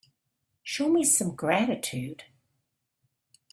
Show me some gratitude.